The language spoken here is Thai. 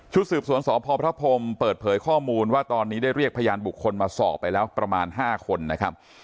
สืบสวนสพพระพรมเปิดเผยข้อมูลว่าตอนนี้ได้เรียกพยานบุคคลมาสอบไปแล้วประมาณ๕คนนะครับ